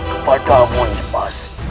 kepada amu nimas